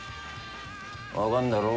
分かんだろ？